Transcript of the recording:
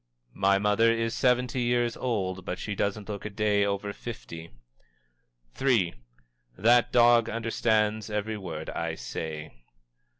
"My mother is seventy years old, but she doesn't look a day over fifty." III. "_That dog understands every word I say.